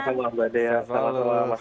selamat berpuasa terima kasih